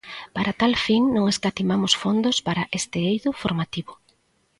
Para tal fin non escatimamos fondos para este eido formativo.